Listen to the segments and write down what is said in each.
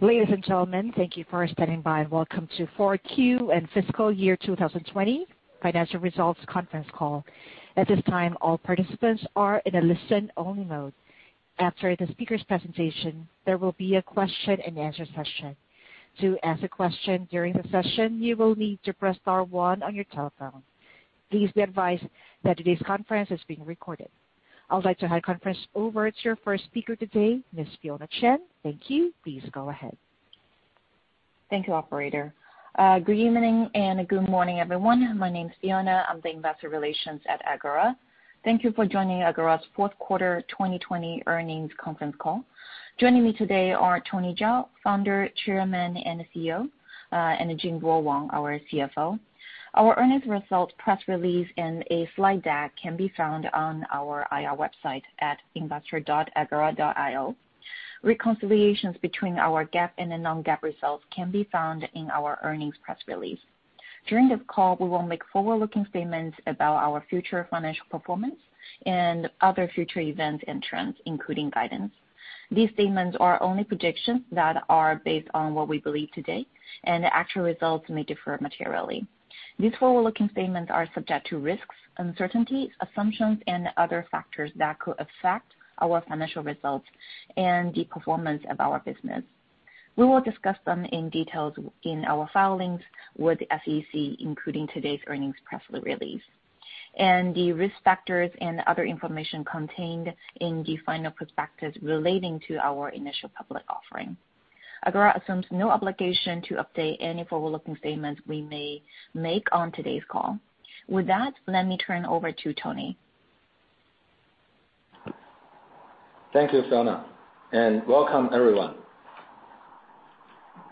Ladies and gentlemen, thank you for standing by. Welcome to 4Q and fiscal year 2020 financial results conference call. At this time all participants are listen only mode, after speaker presentation there will be question-and-answer session to ask question during the session you will press star and one on your telephone please be advice that this conference is being recorded. I would like to hand conference over to your first speaker today, Ms. Fionna Chen. Thank you. Please go ahead. Thank you, operator. Good evening, and good morning, everyone. My name is Fionna. I'm the Investor Relations at Agora. Thank you for joining Agora's fourth quarter 2020 earnings conference call. Joining me today are Tony Zhao, Founder, Chairman, and CEO, and Jingbo Wang, our CFO. Our earnings results press release and a slide deck can be found on our IR website at investor.agora.io. Reconciliations between our GAAP and the non-GAAP results can be found in our earnings press release. During this call, we will make forward-looking statements about our future financial performance and other future events and trends, including guidance. These statements are only predictions that are based on what we believe today, the actual results may differ materially. These forward-looking statements are subject to risks, uncertainties, assumptions, and other factors that could affect our financial results and the performance of our business. We will discuss them in detail in our filings with the SEC, including today's earnings press release, and the risk factors and other information contained in the final prospectus relating to our initial public offering. Agora assumes no obligation to update any forward-looking statements we may make on today's call. With that, let me turn over to Tony. Thank you, Fionna, and welcome everyone.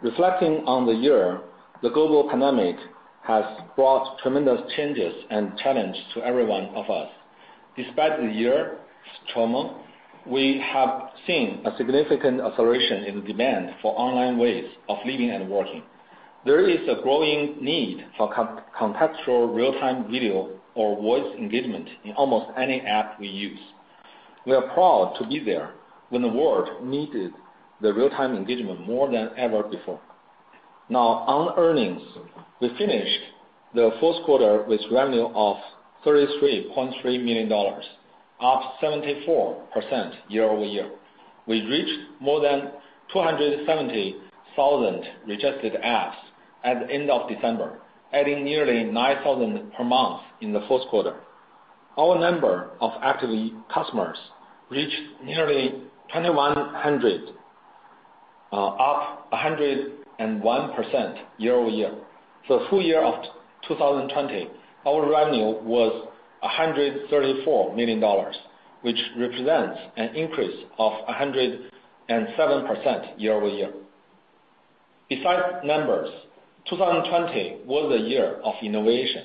Reflecting on the year, the global pandemic has brought tremendous changes and challenges to every one of us. Despite the year's trauma, we have seen a significant acceleration in demand for online ways of living and working. There is a growing need for contextual real-time video or voice engagement in almost any app we use. We are proud to be there when the world needed the real-time engagement more than ever before. On earnings, we finished the fourth quarte with revenue of $33.3 million, up 74% year-over-year. We reached more than 270,000 registered apps at the end of December, adding nearly 9,000 per month in the fourth quarte. Our number of active customers reached nearly 2,100, up 101% year-over-year. For the full year of 2020, our revenue was $134 million, which represents an increase of 107% year-over-year. Besides numbers, 2020 was a year of innovation.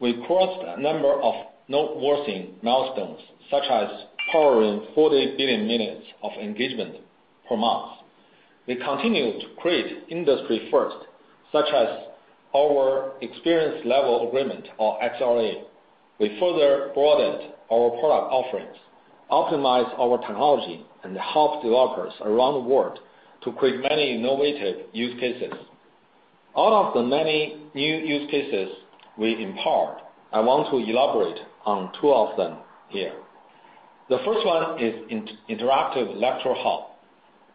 We crossed a number of noteworthy milestones, such as powering 40 billion minutes of engagement per month. We continue to create industry firsts, such as our experience level agreement or XLA. We further broadened our product offerings, optimized our technology, and helped developers around the world to create many innovative use cases. Out of the many new use cases we empowered, I want to elaborate on two of them here. The first one is interactive lecture hall.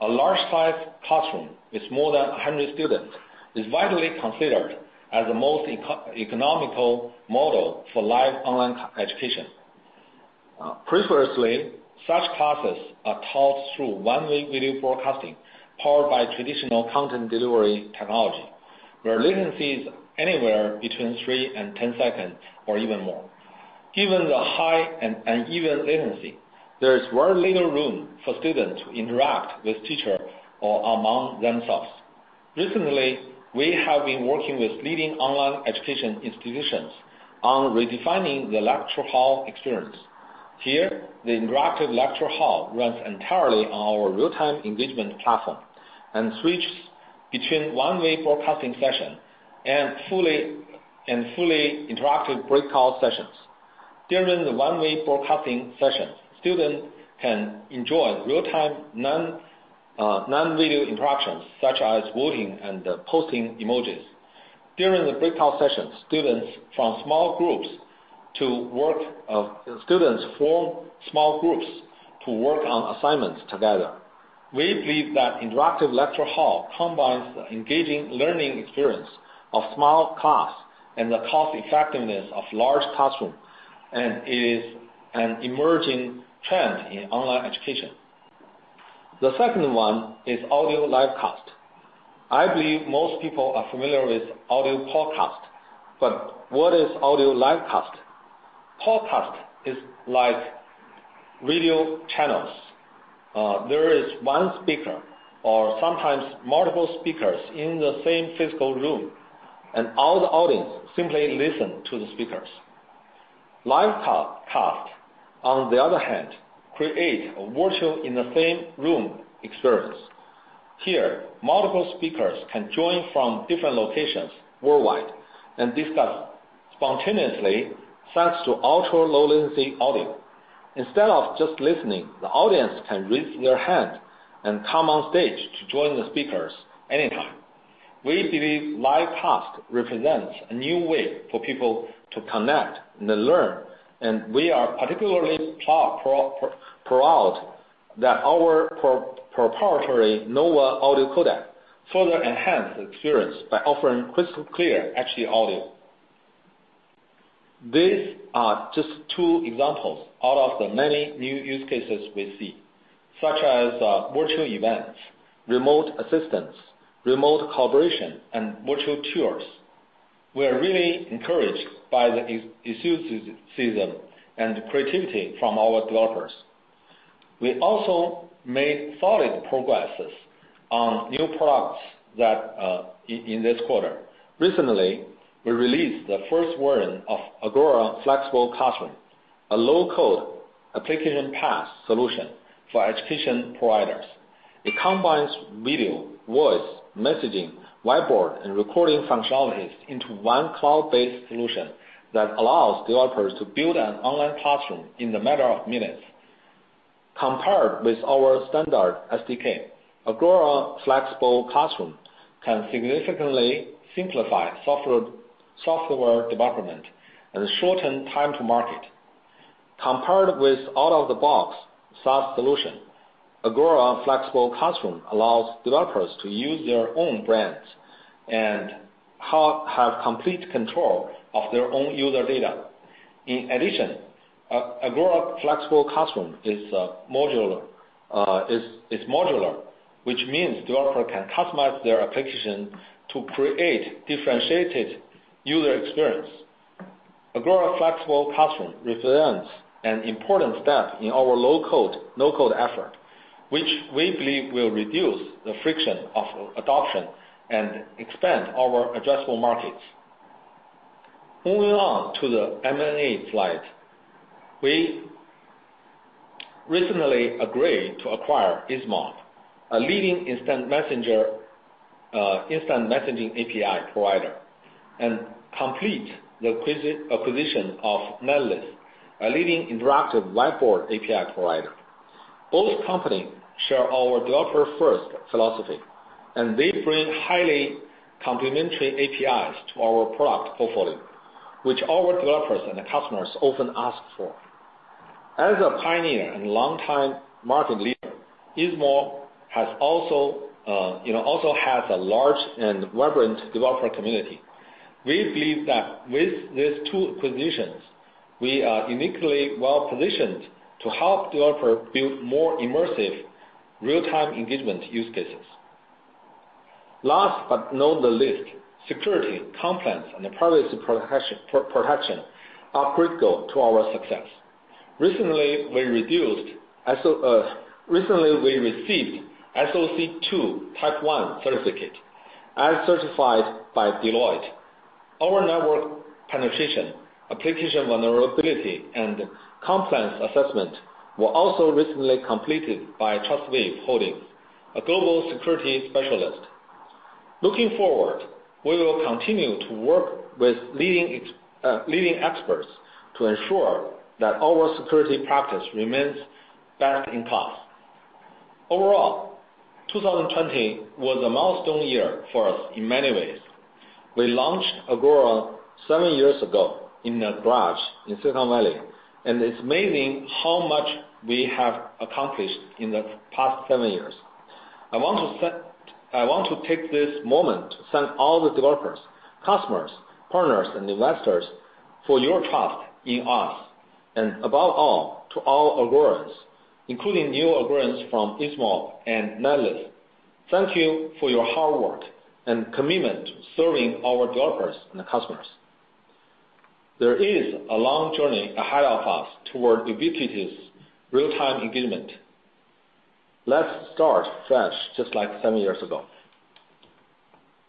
A large size classroom with more than 100 students is widely considered as the most economical model for live online education. Previously, such classes are taught through one-way video broadcasting powered by traditional content delivery technology, where latency is anywhere between three and 10 seconds or even more. Given the high and uneven latency, there is very little room for students to interact with teacher or among themselves. Recently, we have been working with leading online education institutions on redefining the lecture hall experience. Here, the interactive lecture hall runs entirely on our real-time engagement platform and switches between one-way broadcasting session and fully interactive breakout sessions. During the one-way broadcasting sessions, students can enjoy real-time non-video interactions, such as voting and posting emojis. During the breakout sessions, students form small groups to work on assignments together. We believe that interactive lecture hall combines the engaging learning experience of small class and the cost-effectiveness of large classroom, and it is an emerging trend in online education. The second one is audio live cast. I believe most people are familiar with audio podcast, but what is audio live cast? Podcast is like radio channels. There is one speaker, or sometimes multiple speakers in the same physical room, and all the audience simply listen to the speakers. Live cast, on the other hand, create a virtual in the same room experience. Here, multiple speakers can join from different locations worldwide and discuss spontaneously, thanks to ultra-low latency audio. Instead of just listening, the audience can raise their hand and come on stage to join the speakers anytime. We believe Live Cast represents a new way for people to connect and learn, and we are particularly proud that our proprietary NOVA audio codec further enhance the experience by offering crystal clear HD audio. These are just two examples out of the many new use cases we see, such as virtual events, remote assistance, remote collaboration, and virtual tours. We are really encouraged by the enthusiasm and creativity from our developers. We also made solid progress on new products in this quarter. Recently, we released the first version of Agora Flexible Classroom, a low-code application PaaS solution for education providers. It combines video, voice, messaging, whiteboard, and recording functionalities into one cloud-based solution that allows developers to build an online classroom in a matter of minutes. Compared with our standard SDK, Agora Flexible Classroom can significantly simplify software development and shorten time to market. Compared with out-of-the-box SaaS solution, Agora Flexible Classroom allows developers to use their own brands and have complete control of their own user data. In addition, Agora Flexible Classroom is modular, which means developer can customize their application to create differentiated user experience. Agora Flexible Classroom represents an important step in our low-code effort, which we believe will reduce the friction of adoption and expand our addressable markets. Moving on to the M&A slide. We recently agreed to acquire Easemob, a leading instant messaging API provider, and complete the acquisition of Netless, a leading interactive whiteboard API provider. Both companies share our developer-first philosophy, they bring highly complementary APIs to our product portfolio, which our developers and customers often ask for. As a pioneer and longtime market leader, Easemob also has a large and vibrant developer community. We believe that with these two acquisitions, we are uniquely well-positioned to help developers build more immersive Real-Time Engagement use cases. Last but not the least, security, compliance, and privacy protection are critical to our success. Recently, we received SOC 2 Type 1 certificate as certified by Deloitte. Our network penetration, application vulnerability, and compliance assessment were also recently completed by Trustwave Holdings, a global security specialist. Looking forward, we will continue to work with leading experts to ensure that our security practice remains best in class. Overall, 2020 was a milestone year for us in many ways. We launched Agora seven years ago in a garage in Silicon Valley, and it's amazing how much we have accomplished in the past seven years. I want to take this moment to thank all the developers, customers, partners, and investors for your trust in us. Above all, to all Agorans, including new Agorans from Easemob and Netless, thank you for your hard work and commitment to serving our developers and customers. There is a long journey ahead of us toward ubiquitous real-time engagement. Let's start fresh, just like seven years ago.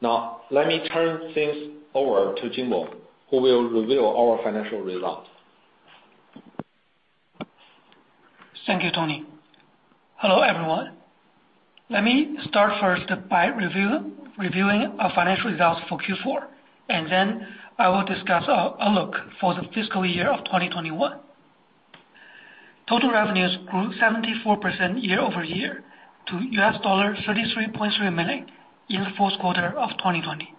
Let me turn things over to Jingbo, who will reveal our financial results. Thank you, Tony. Hello, everyone. Let me start first by reviewing our financial results for Q4, and then I will discuss our outlook for the fiscal year 2021. Total revenues grew 74% year-over-year to $33.3 million in the fourth quarter of 2020.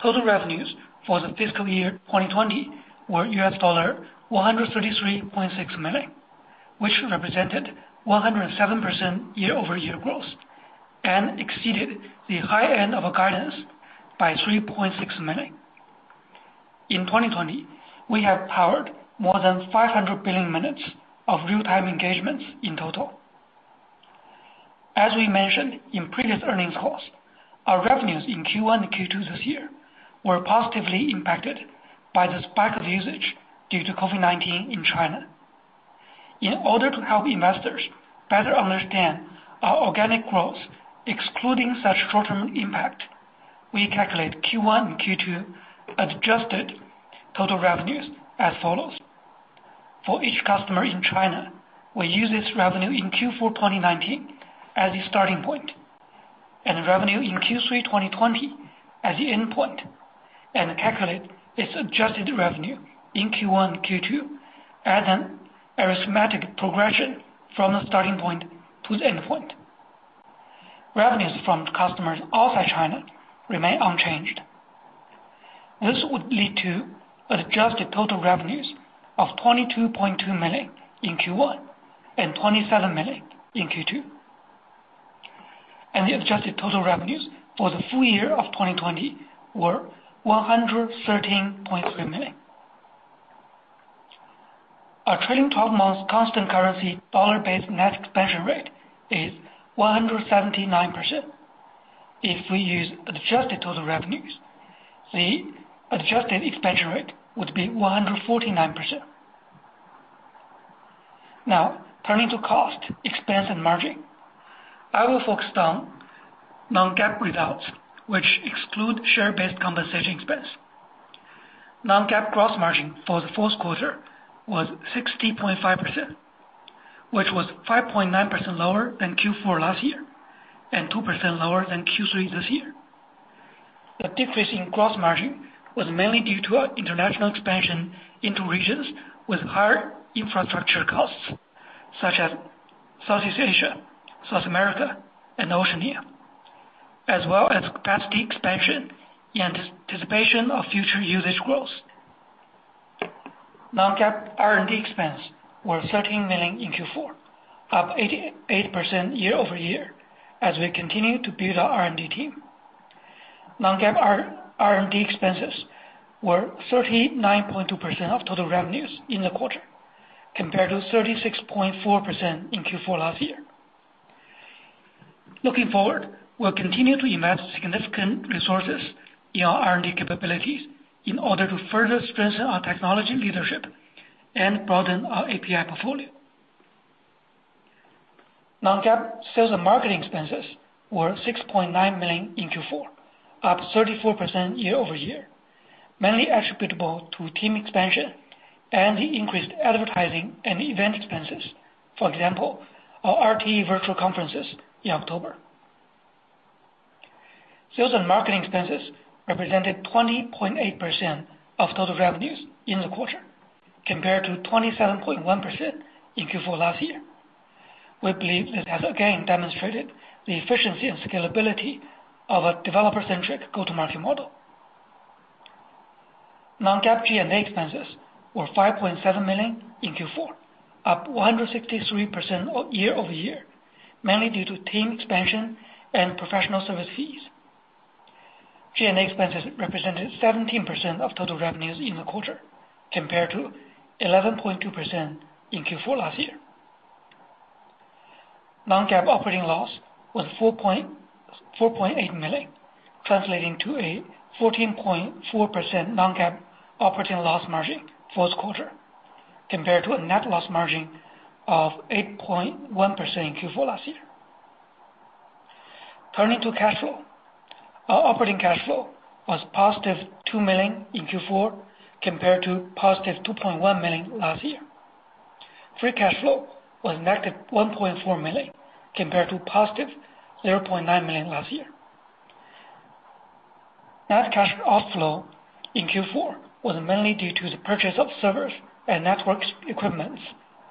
Total revenues for the fiscal year 2020 were $133.6 million, which represented 107% year-over-year growth and exceeded the high end of our guidance by $3.6 million. In 2020, we have powered more than 500 billion minutes of real-time engagements in total. As we mentioned in previous earnings calls, our revenues in Q1 and Q2 this year were positively impacted by the spike of usage due to COVID-19 in China. In order to help investors better understand our organic growth, excluding such short-term impact, we calculate Q1 and Q2 adjusted total revenues as follows. For each customer in China, we use its revenue in Q4 2019 as a starting point, and revenue in Q3 2020 as the endpoint, and calculate its adjusted revenue in Q1, Q2 as an arithmetic progression from the starting point to the endpoint. Revenues from customers outside China remain unchanged. This would lead to adjusted total revenues of $22.2 million in Q1, and $27 million in Q2. The adjusted total revenues for the full year of 2020 were $113.3 million. Our trailing 12 months constant currency dollar-based net expansion rate is 179%. If we use adjusted total revenues, the adjusted expansion rate would be 149%. Now turning to cost, expense, and margin. I will focus on non-GAAP results, which exclude share-based compensation expense. Non-GAAP gross margin for the fourth quarter was 60.5%, which was 5.9% lower than Q4 last year, 2% lower than Q3 this year. The decrease in gross margin was mainly due to our international expansion into regions with higher infrastructure costs, such as Southeast Asia, South America, and Oceania, as well as capacity expansion in anticipation of future usage growth. Non-GAAP R&D expense were $13 million in Q4, up 88% year-over-year, as we continue to build our R&D team. Non-GAAP R&D expenses were 39.2% of total revenues in the quarter, compared to 36.4% in Q4 last year. Looking forward, we'll continue to invest significant resources in our R&D capabilities in order to further strengthen our technology leadership and broaden our API portfolio. Non-GAAP sales and marketing expenses were $6.9 million in Q4, up 34% year-over-year, mainly attributable to team expansion and the increased advertising and event expenses. For example, our RTE virtual conferences in October. Sales and marketing expenses represented 20.8% of total revenues in the quarter, compared to 27.1% in Q4 last year. We believe this has again demonstrated the efficiency and scalability of a developer-centric go-to-market model. Non-GAAP G&A expenses were $5.7 million in Q4, up 163% year-over-year, mainly due to team expansion and professional service fees. G&A expenses represented 17% of total revenues in the quarter, compared to 11.2% in Q4 last year. Non-GAAP operating loss was $4.8 million, translating to a 14.4% non-GAAP operating loss margin fourth quarter, compared to a net loss margin of 8.1% in Q4 last year. Turning to cash flow. Our operating cash flow was positive $2 million in Q4 compared to positive $2.1 million last year. Free cash flow was negative $1.4 million compared to positive $0.9 million last year. Net cash outflow in Q4 was mainly due to the purchase of servers and networks equipment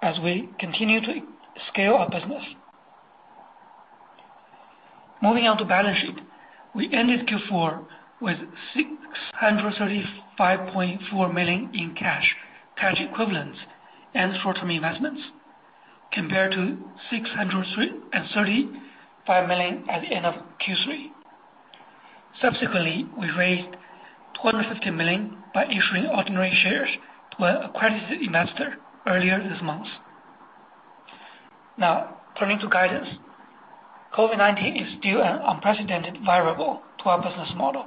as we continue to scale our business. Moving on to balance sheet. We ended Q4 with $635.4 million in cash equivalents, and short-term investments, compared to $635 million at the end of Q3. Subsequently, we raised $250 million by issuing ordinary shares to an accredited investor earlier this month. Now turning to guidance. COVID-19 is still an unprecedented variable to our business model,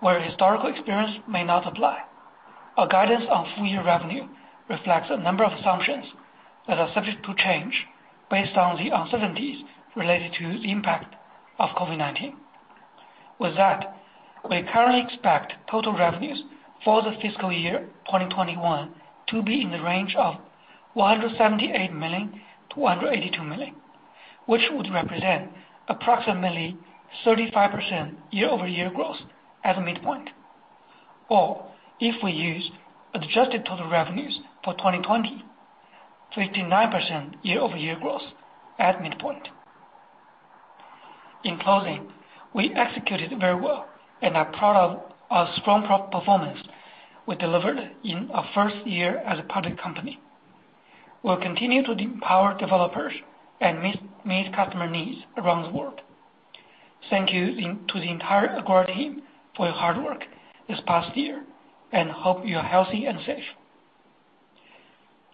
where historical experience may not apply. Our guidance on full-year revenue reflects a number of assumptions that are subject to change based on the uncertainties related to the impact of COVID-19. With that, we currently expect total revenues for the fiscal year 2021 to be in the range of $178 million-$182 million, which would represent approximately 35% year-over-year growth at the midpoint. If we use adjusted total revenues for 2020, 59% year-over-year growth at midpoint. In closing, we executed very well and are proud of our strong performance we delivered in our first year as a public company. We'll continue to empower developers and meet customer needs around the world. Thank you to the entire Agora team for your hard work this past year and hope you're healthy and safe.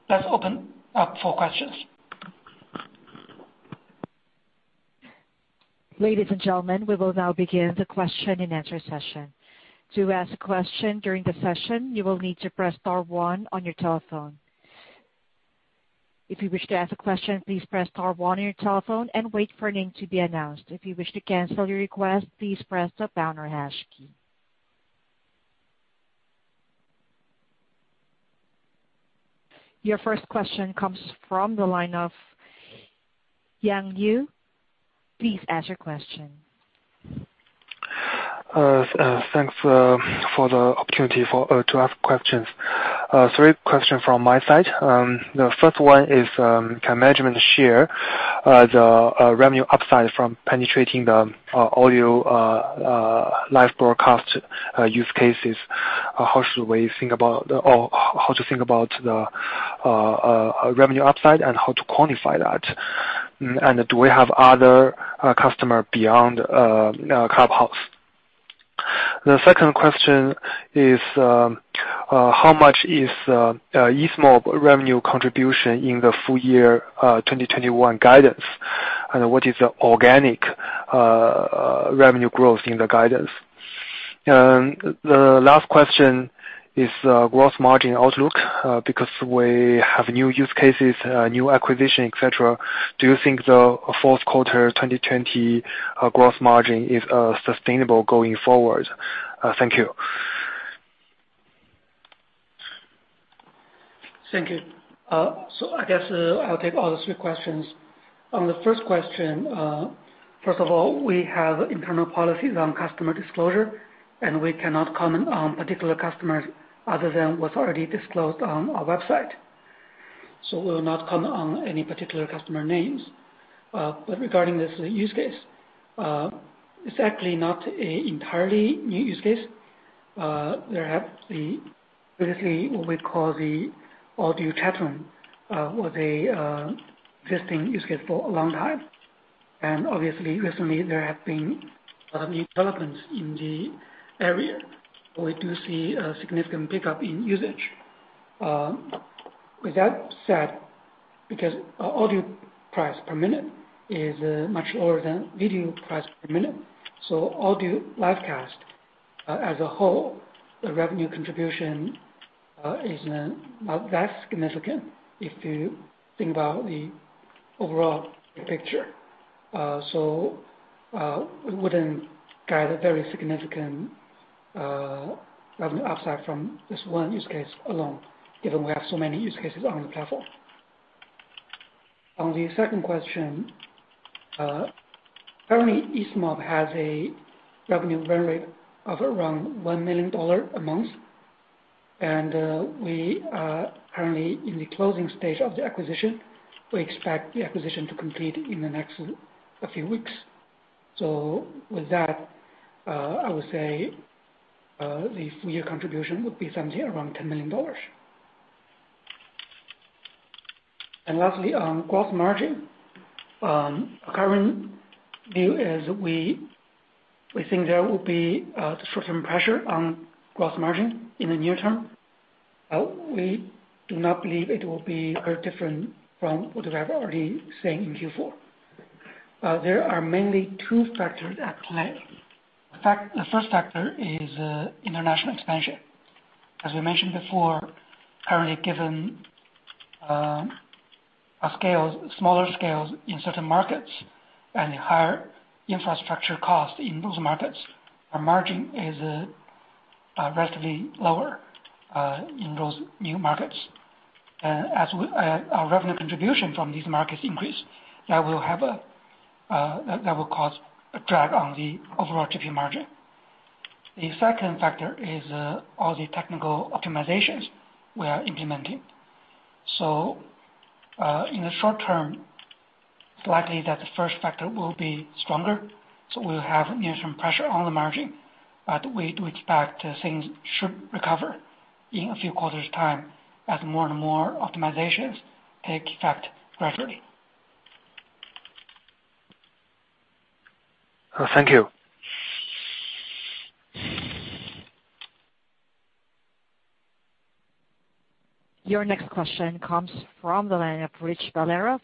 Let's open up for questions. Ladies and gentlemen, we will now begin the question-and-answer session. To ask a question during the session, you will need to press star one on your telephone. If you wish to ask a question, please press star one on your telephone and wait for a name to be announced. If you wish to cancel your request, please press the pound or hash key. Your first question comes from the line of [Yang Yu]. Please ask your question. Thanks for the opportunity to ask questions. Three questions from my side. The first one is, can management share the revenue upside from penetrating the audio live broadcast use cases? How should we think about the revenue upside and how to quantify that? Do we have other customer beyond Clubhouse? The second question is, how much is Easemob revenue contribution in the full year 2021 guidance? What is the organic revenue growth in the guidance? The last question is gross margin outlook, because we have new use cases, new acquisition, et cetera, do you think the fourth quarter 2020 gross margin is sustainable going forward? Thank you. Thank you. I guess I'll take all the three questions. On the first question, first of all, we have internal policies on customer disclosure, and we cannot comment on particular customers other than what's already disclosed on our website. We'll not comment on any particular customer names. Regarding this use case, it's actually not an entirely new use case. There have been previously what we call the audio chat room, was a existing use case for a long time. Obviously recently there have been a lot of new developments in the area. We do see a significant pickup in usage. With that said, because audio price per minute is much lower than video price per minute, so audio live cast, as a whole, the revenue contribution is not that significant if you think about the overall picture. We wouldn't guide a very significant revenue upside from this one use case alone, given we have so many use cases on the platform. On the second question, currently Easemob has a revenue run rate of around $1 million a month. We are currently in the closing stage of the acquisition. We expect the acquisition to complete in the next few weeks. With that, I would say the full year contribution would be something around $10 million. Lastly, on gross margin. Our current view is we think there will be short-term pressure on gross margin in the near term. We do not believe it will be very different from what we have already seen in Q4. There are mainly two factors at play. The first factor is international expansion. As we mentioned before, currently given smaller scales in certain markets and higher infrastructure cost in those markets, our margin is relatively lower in those new markets. As our revenue contribution from these markets increase, that will cause a drag on the overall GP margin. The second factor is all the technical optimizations we are implementing. In the short term, it's likely that the first factor will be stronger, so we'll have near-term pressure on the margin. We do expect things should recover in a few quarters time as more and more optimizations take effect gradually. Thank you. Your next question comes from the line of Rich Valera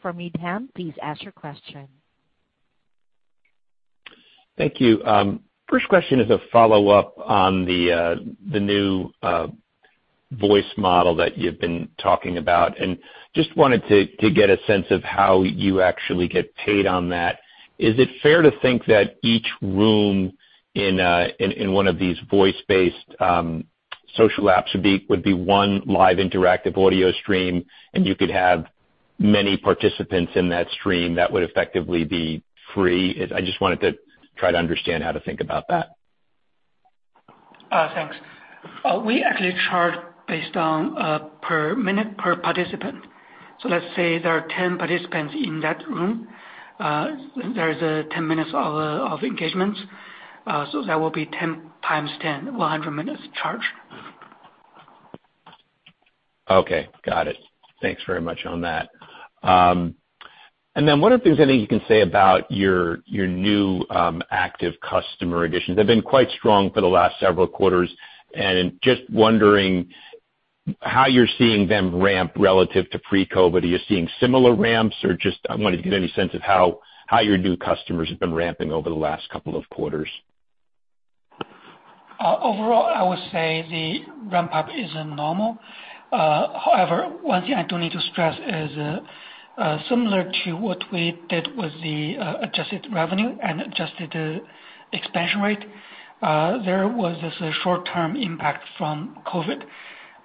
from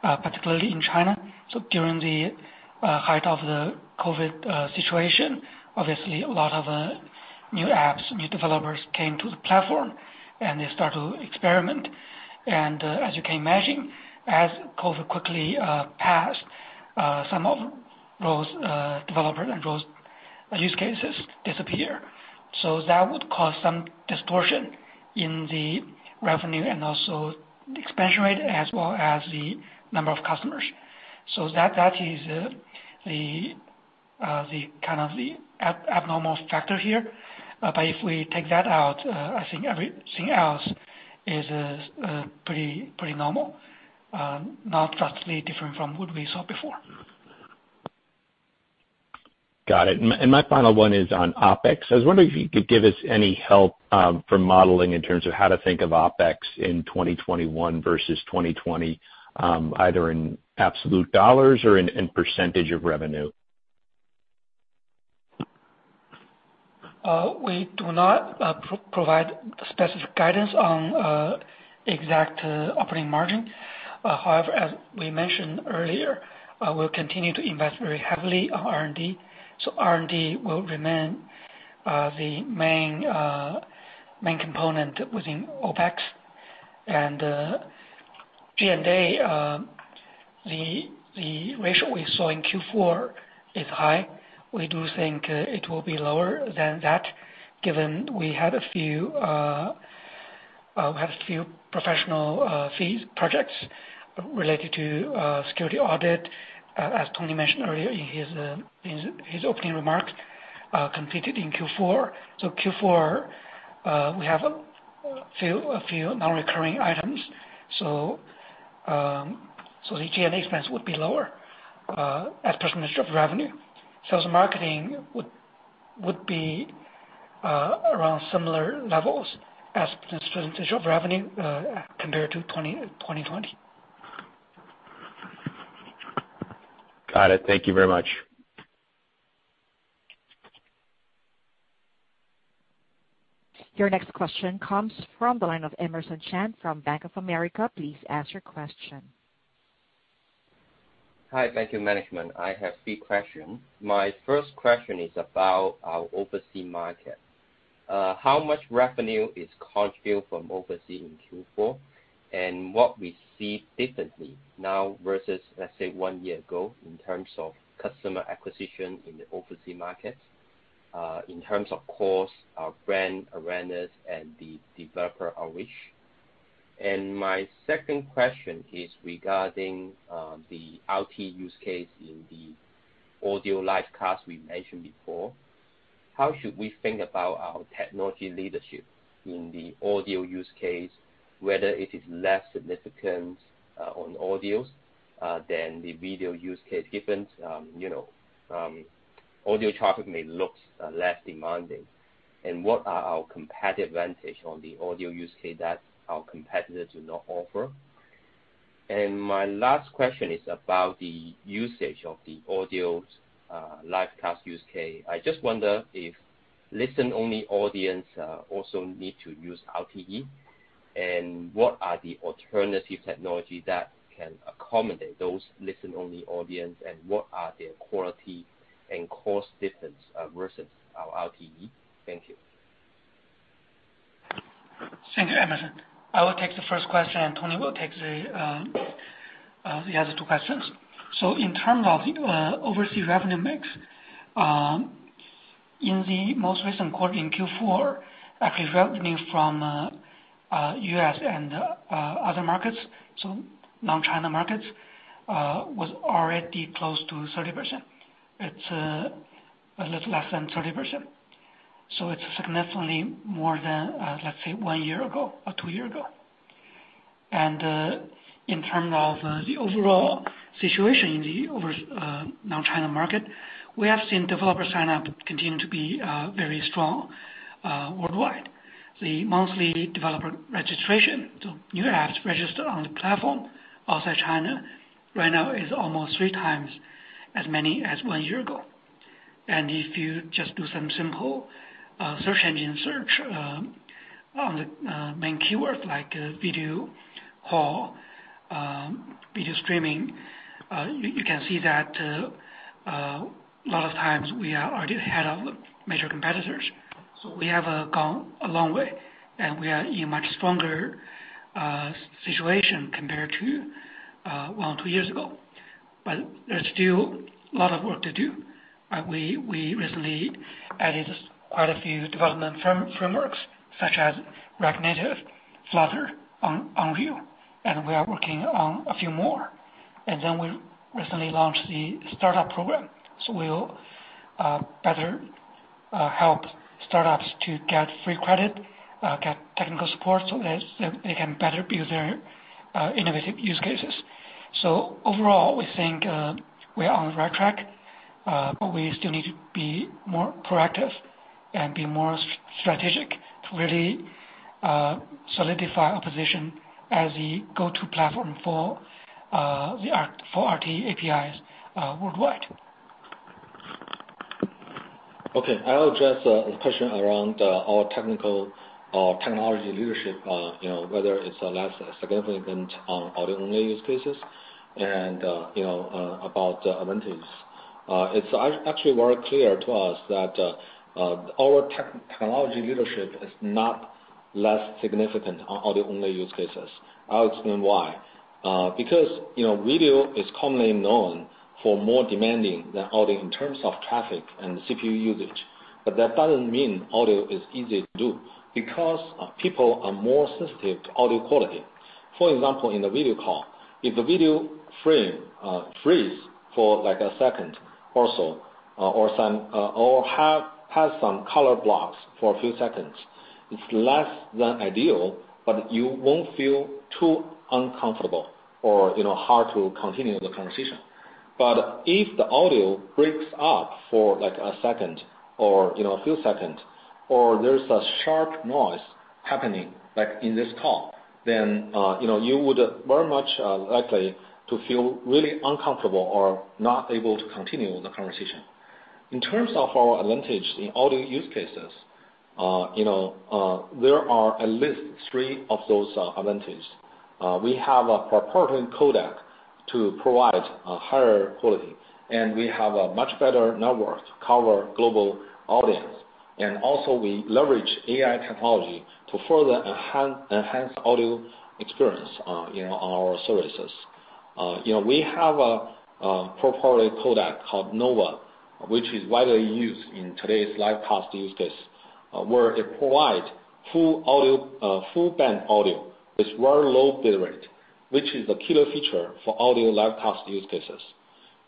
Needham. My final one is on OpEx. I was wondering if you could give us any help for modeling in terms of how to think of OpEx in 2021 versus 2020, either in absolute dollars or in percentage of revenue. We do not provide specific guidance on exact operating margin. As we mentioned earlier, we'll continue to invest very heavily on R&D. R&D will remain the main component within OpEx. G&A, the ratio we saw in Q4 is high. We do think it will be lower than that given we had a few professional fees projects related to security audit, as Tony mentioned earlier in his opening remarks, completed in Q4. Q4, we have a few non-recurring items. The G&A expense would be lower as percentage of revenue. Sales and marketing would be around similar levels as percentage of revenue compared to 2020. Got it. Thank you very much. Your next question comes from the line of Emerson Chan from Bank of America. Please ask your question. Hi. Thank you, management. I have three questions. My first question is about our overseas market. How much revenue is contributed from overseas in Q4, and what we see differently now versus, let's say, one year ago in terms of customer acquisition in the overseas market, in terms, of course, our brand awareness and the developer outreach? My second question is regarding the RTE use case in the audio live cast we mentioned before. How should we think about our technology leadership in the audio use case, whether it is less significant on audios than the video use case, given audio traffic may look less demanding? What are our competitive advantage on the audio use case that our competitors do not offer? My last question is about the usage of the audio live cast use case. I just wonder if listen-only audience also need to use RTE, and what are the alternative technology that can accommodate those listen-only audience, and what are their quality and cost difference versus our RTE? Thank you. Thanks, Emerson. I will take the first question, and Tony will take the other two questions. In terms of overseas revenue mix, in the most recent quarter in Q4, actually revenue from U.S. and other markets, so non-China markets, was already close to 30%. It's a little less than 30%. It's significantly more than, let's say, one year ago or two year ago. In terms of the overall situation in the non-China market, we have seen developer sign-up continue to be very strong worldwide. The monthly developer registration, so new apps registered on the platform outside China right now is almost three times as many as one year ago. If you just do some simple search engine search on the main keyword, like video call, video streaming, you can see that a lot of times we are already ahead of major competitors. We have come a long way, and we are in a much stronger situation compared to one or two years ago. There's still a lot of work to do. We recently added quite a few development frameworks such as React Native, Flutter, Unreal, and we are working on a few more. We recently launched the startup program. We'll better help startups to get free credit, get technical support so they can better build their innovative use cases. Overall, we think we are on the right track, but we still need to be more proactive and be more strategic to really solidify our position as the go-to platform for the RTE APIs worldwide. I'll address the question around our technical or technology leadership, whether it's less significant on audio-only use cases and about the advantages. It's actually very clear to us that our technology leadership is not less significant on audio-only use cases. I'll explain why. Video is commonly known for more demanding than audio in terms of traffic and CPU usage. That doesn't mean audio is easy to do, because people are more sensitive to audio quality. For example, in a video call, if the video frame freeze for a second or so, or has some color blocks for a few seconds, it's less than ideal, but you won't feel too uncomfortable or hard to continue the conversation. If the audio breaks up for a second or a few seconds, or there's a sharp noise happening, like in this call, then you would very much likely to feel really uncomfortable or not able to continue the conversation. In terms of our advantage in audio use cases, there are at least three of those advantages. We have a proprietary codec to provide higher quality, and we have a much better network to cover global audience. Also we leverage AI technology to further enhance audio experience in our services. We have a proprietary codec called NOVA, which is widely used in today's live cast use case, where it provide full band audio with very low bit rate, which is the killer feature for audio live cast use cases.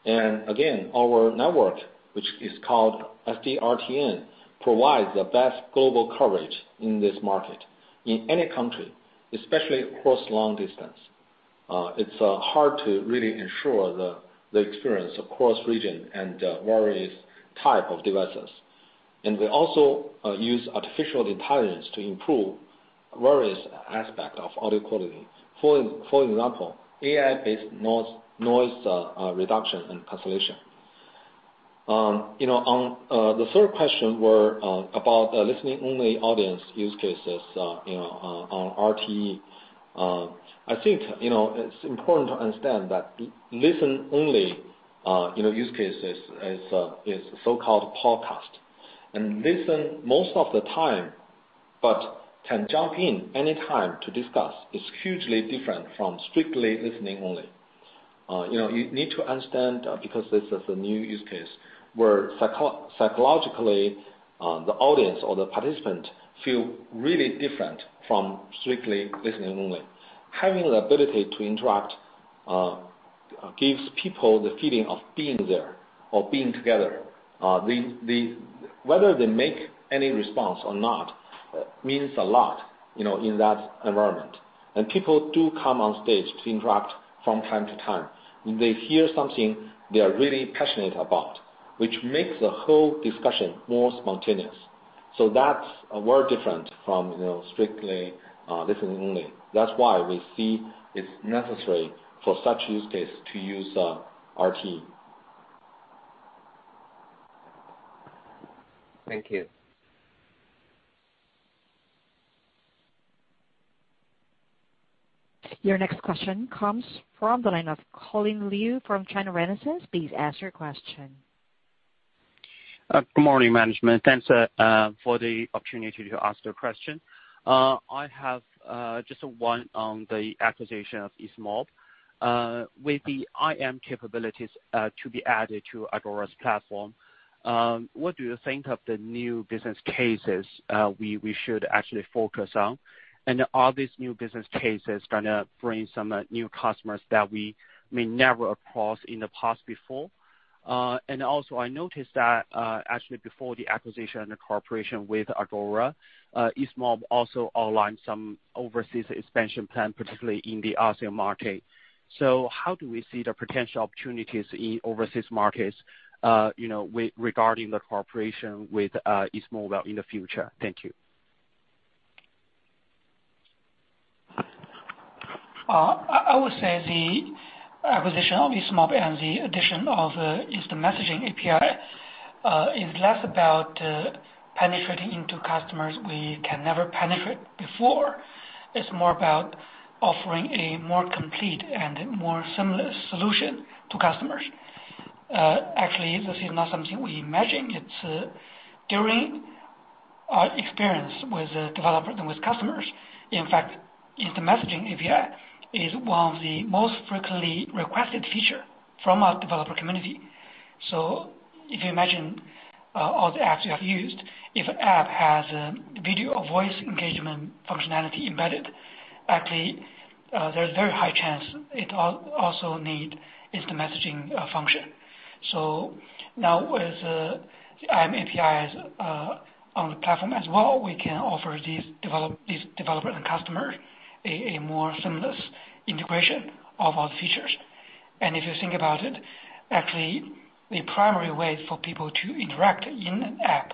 Again, our network, which is called SD-RTN, provides the best global coverage in this market, in any country, especially across long distance. It's hard to really ensure the experience across region and various type of devices. We also use artificial intelligence to improve various aspect of audio quality. For example, AI-based noise reduction and cancellation. On the third question were about listening-only audience use cases on RTE. I think, it's important to understand that listen only use cases is so-called podcast. Listen most of the time, but can jump in any time to discuss is hugely different from strictly listening only. You need to understand, because this is a new use case, where psychologically, the audience or the participant feel really different from strictly listening only. Having the ability to interact gives people the feeling of being there or being together. Whether they make any response or not means a lot in that environment. People do come on stage to interact from time to time when they hear something they are really passionate about, which makes the whole discussion more spontaneous. That's very different from strictly listening only. That's why we see it's necessary for such use case to use RTE. Thank you. Your next question comes from the line of Colin Liu from China Renaissance. Please ask your question. Good morning, management. Thanks for the opportunity to ask the question. I have just one on the acquisition of Easemob. With the IM capabilities to be added to Agora's platform, what do you think of the new business cases we should actually focus on? Are these new business cases going to bring some new customers that we may never across in the past before? Also, I noticed that, actually before the acquisition and the cooperation with Agora, Easemob also outlined some overseas expansion plan, particularly in the ASEAN market. How do we see the potential opportunities in overseas markets regarding the cooperation with Easemob in the future? Thank you. I would say the acquisition of Easemob and the addition of instant messaging API, is less about penetrating into customers we can never penetrate before. It's more about offering a more complete and more seamless solution to customers. Actually, this is not something we imagined. It's during our experience with developers and with customers. In fact, instant messaging API is one of the most frequently requested feature from our developer community. If you imagine all the apps you have used, if an app has a video or voice engagement functionality embedded, actually, there's a very high chance it also need instant messaging function. Now with IM APIs on the platform as well, we can offer these developer and customer a more seamless integration of our features. If you think about it, actually, the primary way for people to interact in an app,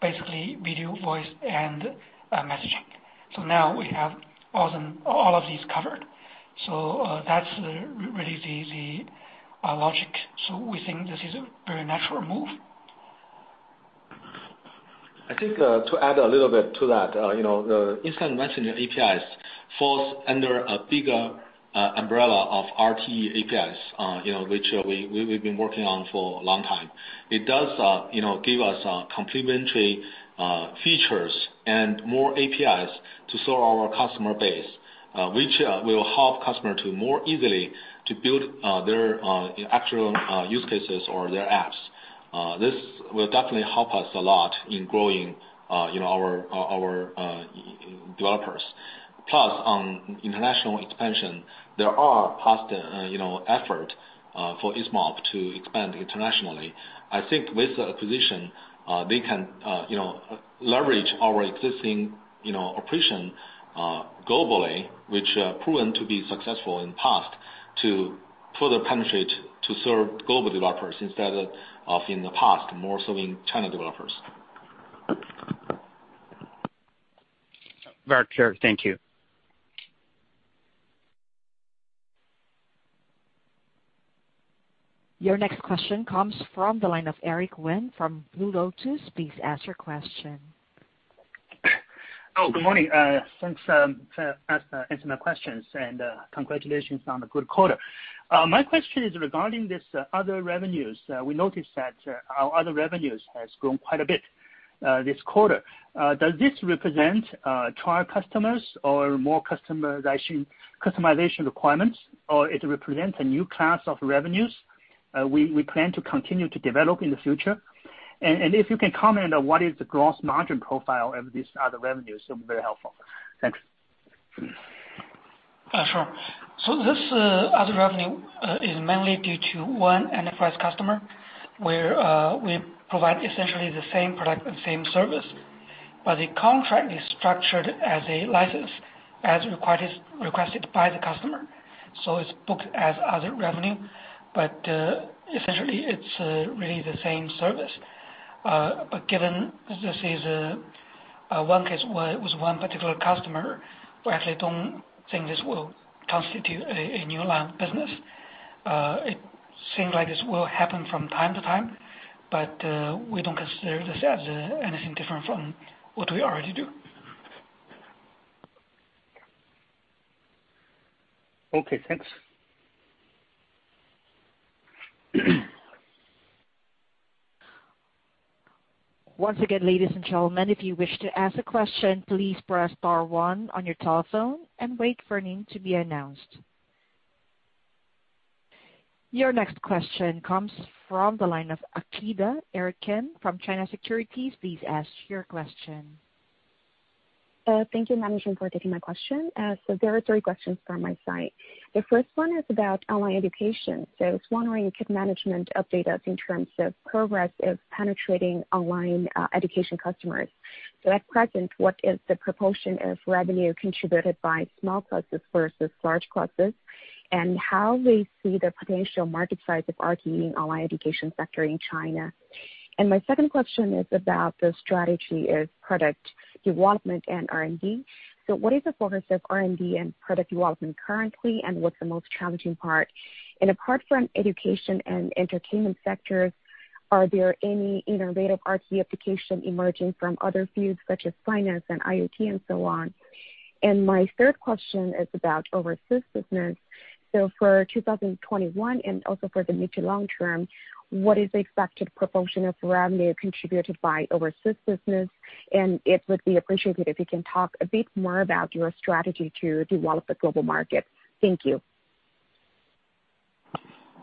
basically video, voice, and messaging. Now we have all of these covered. That's really the logic. We think this is a very natural move. I think to add a little bit to that, the instant messenger APIs falls under a bigger umbrella of RTE APIs, which we've been working on for a long time. It does give us complementary features and more APIs to serve our customer base, which will help customer to more easily to build their actual use cases or their apps. This will definitely help us a lot in growing our developers. On international expansion, there are past effort for Easemob to expand internationally. I think with acquisition, they can leverage our existing operation globally, which proven to be successful in past to further penetrate to serve global developers instead of in the past, more so in China developers. Very clear. Thank you. Your next question comes from the line of Eric Wen from Blue Lotus. Please ask your question. Oh, good morning. Thanks for answering my questions, and congratulations on the good quarter. My question is regarding this other revenues. We noticed that other revenues has grown quite a bit this quarter. Does this represent trial customers or more customization requirements, or it represents a new class of revenues we plan to continue to develop in the future? If you can comment on what is the gross margin profile of this other revenue, it'd be very helpful. Thanks. Sure. This other revenue is mainly due to one enterprise customer where we provide essentially the same product and same service, but the contract is structured as a license as requested by the customer. It's booked as other revenue. Essentially, it's really the same service. Given this is one case with one particular customer, we actually don't think this will constitute a new line of business. It seems like this will happen from time to time, but we don't consider this as anything different from what we already do. Okay, thanks. Once again, ladies and gentlemen, if you wish to ask a question, please press star one on your telephone and wait for your name to be announced. Your next question comes from the line of Akida, Eric Kim from China Securities. Please ask your question. Thank you, management, for taking my question. There are three questions from my side. The first one is about online education. I was wondering, could management update us in terms of progress of penetrating online education customers? At present, what is the proportion of revenue contributed by small classes versus large classes? How they see the potential market size of RTE in online education sector in China. My second question is about the strategy of product development and R&D. What is the focus of R&D and product development currently, and what's the most challenging part? Apart from education and entertainment sectors, are there any innovative RTE application emerging from other fields such as finance and IoT and so on? My third question is about overseas business. For 2021 and also for the mid to long term, what is the expected proportion of revenue contributed by overseas business? It would be appreciated if you can talk a bit more about your strategy to develop the global market. Thank you.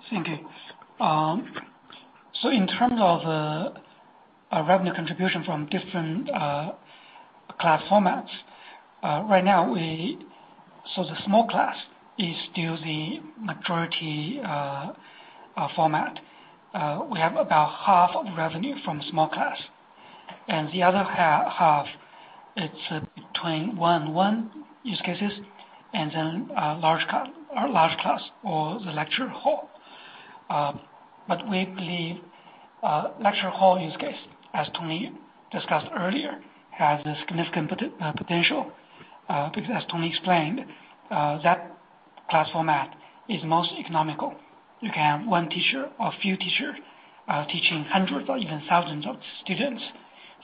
Thank you. In terms of revenue contribution from different class formats. The small class is still the majority format. We have about half of the revenue from small class. The other half, it's between one-on-one use cases and then our large class or the lecture hall. We believe lecture hall use case, as Tony discussed earlier, has a significant potential, because as Tony explained, that class format is most economical. You can have one teacher or few teacher teaching hundreds or even thousands of students.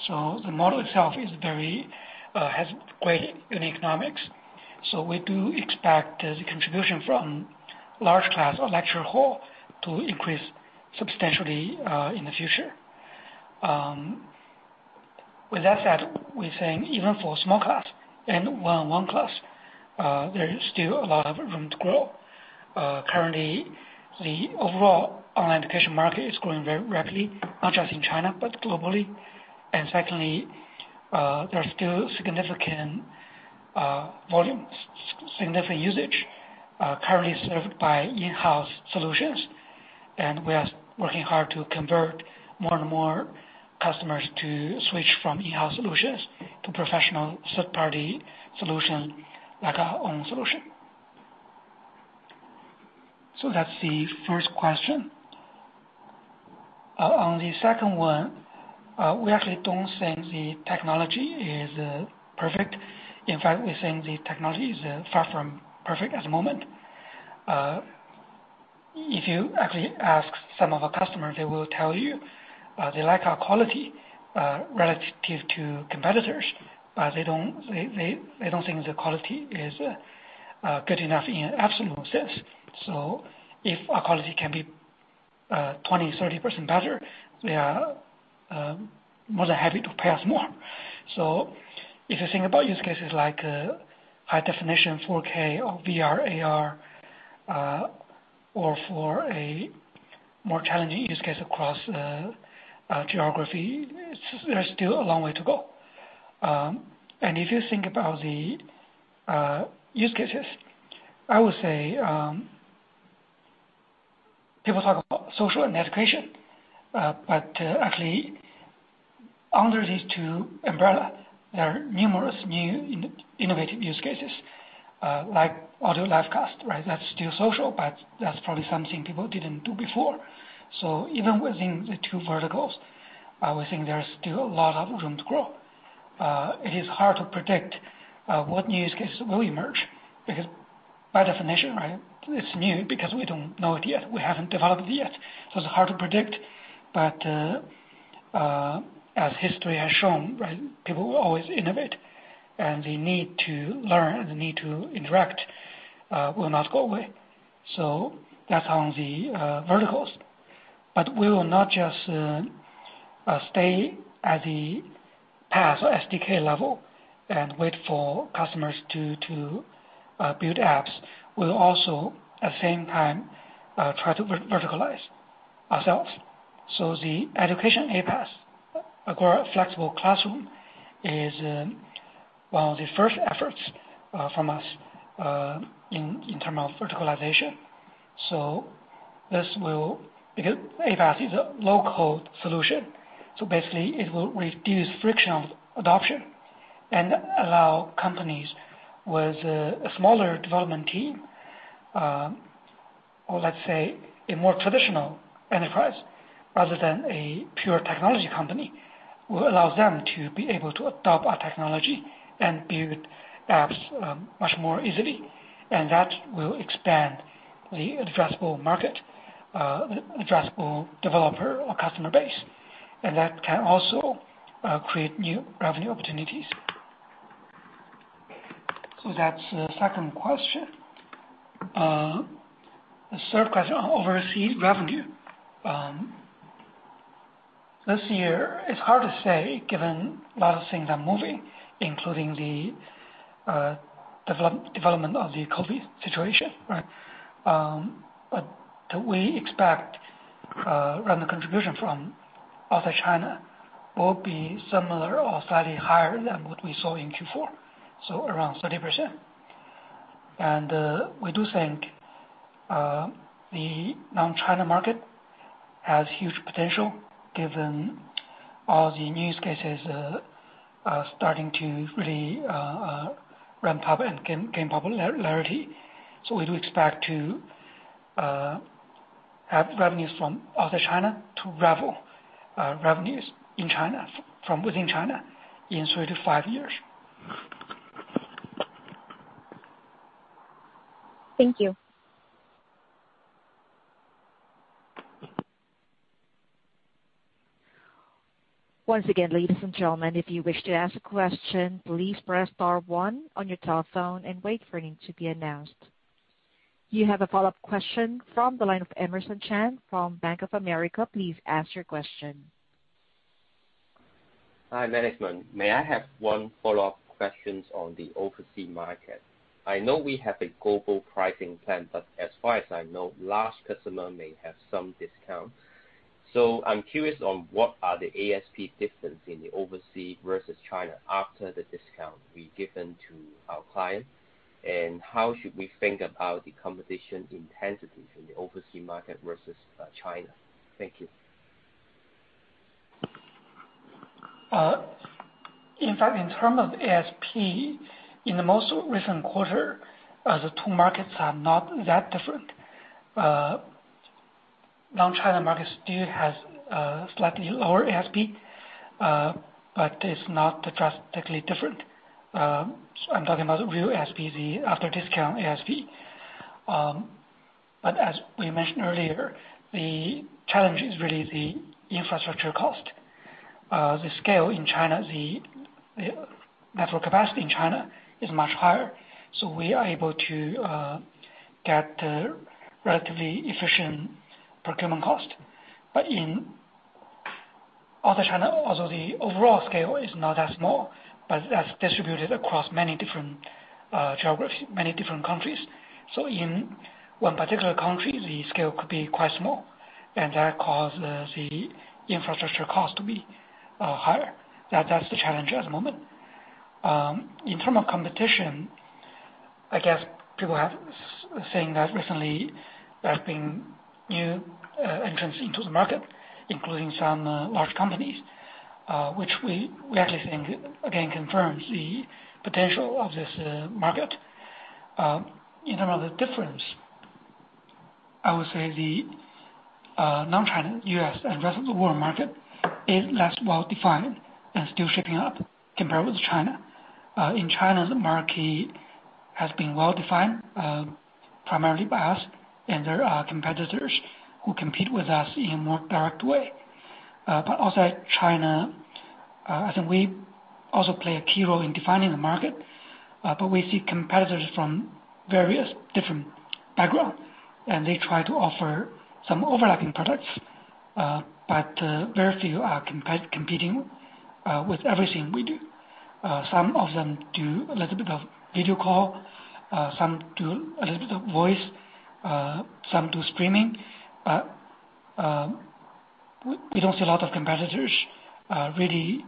The model itself has great economics. We do expect the contribution from large class or lecture hall to increase substantially in the future. With that said, we think even for small class and one-on-one class, there is still a lot of room to grow. Currently, the overall online education market is growing very rapidly, not just in China, but globally. Secondly, there are still significant volume, significant usage currently served by in-house solutions. We are working hard to convert more and more customers to switch from in-house solutions to professional third-party solution, like our own solution. That's the first question. On the second one, we actually don't think the technology is perfect. In fact, we think the technology is far from perfect at the moment. If you actually ask some of our customers, they will tell you they like our quality, relative to competitors. They don't think the quality is good enough in an absolute sense. If our quality can be 20%, 30% better, they are more than happy to pay us more. If you think about use cases like high definition 4K or VR/AR, or for a more challenging use case across geography, there's still a long way to go. If you think about the use cases, I would say, people talk about social and education. Actually, under these two umbrella, there are numerous new innovative use cases, like audio live cast, right? That's still social, but that's probably something people didn't do before. Even within the two verticals, we think there is still a lot of room to grow. It is hard to predict what new use cases will emerge, because by definition, right, it's new because we don't know it yet. We haven't developed it yet, so it's hard to predict. As history has shown, right, people will always innovate, and the need to learn and the need to interact will not go away. That's on the verticals. We will not just stay at the PaaS or SDK level and wait for customers to build apps. We'll also, at the same time, try to verticalize ourselves. The education aPaaS, Agora Flexible Classroom, is one of the first efforts from us in terms of verticalization. Because aPaaS is a low-code solution, basically it will reduce friction of adoption and allow companies with a smaller development team, or let's say a more traditional enterprise rather than a pure technology company, will allow them to be able to adopt our technology and build apps much more easily. That will expand the addressable market, addressable developer or customer base, and that can also create new revenue opportunities. That's the second question. Third question on overseas revenue. This year, it's hard to say, given a lot of things are moving, including the development of the COVID-19 situation, right? We expect random contribution from outside China will be similar or slightly higher than what we saw in Q4, so around 30%. We do think the non-China market has huge potential given all the new use cases are starting to really ramp up and gain popularity. We do expect to have revenues from outside China to rival revenues in China, from within China in three to five years. Thank you. Once again ladies and gentlemen if you wish to ask a question, please press star one on your telephone and wait for your answer to be announced. You have a follow-up question from the line of Emerson Chan from Bank of America. Please ask your question. Hi, management. May I have one follow-up questions on the overseas market? I know we have a global pricing plan, but as far as I know, large customer may have some discount. I'm curious on what are the ASP difference in the overseas versus China after the discount we given to our client, and how should we think about the competition intensity from the overseas market versus China? Thank you. In fact, in terms of ASP, in the most recent quarter, the two markets are not that different. Non-China markets still has a slightly lower ASP, it's not drastically different. I'm talking about real ASP, the after-discount ASP. As we mentioned earlier, the challenge is really the infrastructure cost. The scale in China, the network capacity in China is much higher, we are able to get a relatively efficient procurement cost. In other China, although the overall scale is not as small, but that's distributed across many different geographies, many different countries. In one particular country, the scale could be quite small, that cause the infrastructure cost to be higher. That's the challenge at the moment. In terms of competition, I guess people have been saying that recently there have been new entrants into the market, including some large companies which we actually think, again, confirms the potential of this market. In terms of difference, I would say the non-China, U.S., and rest of the world market is less well-defined and still shaping up compared with China. In China, the market has been well-defined primarily by us, and there are competitors who compete with us in a more direct way. Also in China, I think we also play a key role in defining the market. We see competitors from various different backgrounds, and they try to offer some overlapping products. Very few are competing with everything we do. Some of them do a little bit of video call, some do a little bit of voice, some do streaming. We don't see a lot of competitors really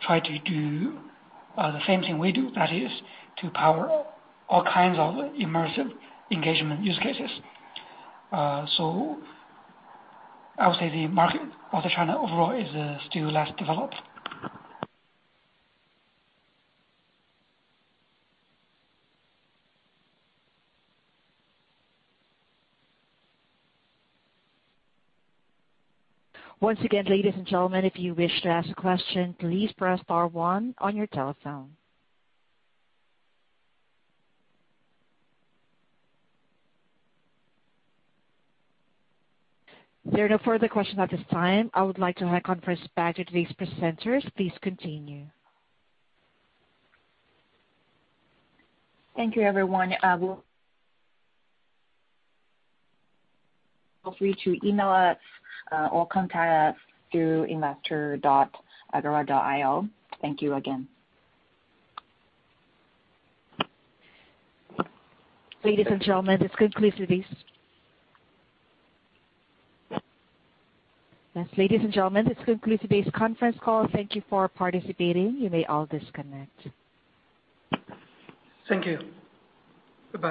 try to do the same thing we do, that is, to power all kinds of immersive engagement use cases. I would say the market of China overall is still less developed. Once again, ladies and gentlemen, if you wish to ask a question, please press star one on your telephone. There are no further questions at this time. I would like to hand conference back to today's presenters. Please continue. Thank you everyone. Feel free to email us or contact us through investor.agora.io. Thank you again. Yes, ladies and gentlemen, this concludes today's conference call. Thank you for participating. You may all disconnect. Thank you. Goodbye